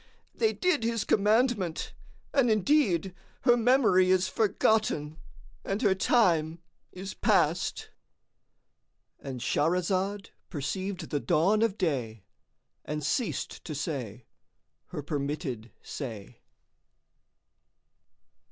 They did his commandment, and indeed her memory is forgotten and her time is past."——And Shahrazad perceived the dawn of day and ceased to say her permitted say.